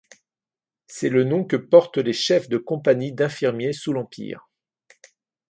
C'est le nom que portent les chefs de compagnies d'infirmiers sous l'Empire.